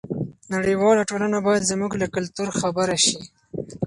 نړیواله ټولنه باید زموږ له کلتور خبره شي.